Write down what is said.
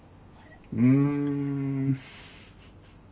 うん。